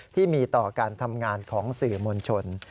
ที่มีต่อการทำงานของสื่อมวลชน